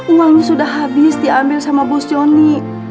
uangnya sudah habis diambil sama bos joni